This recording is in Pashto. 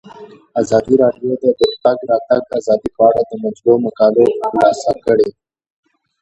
ازادي راډیو د د تګ راتګ ازادي په اړه د مجلو مقالو خلاصه کړې.